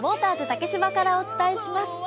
竹芝からお届けします。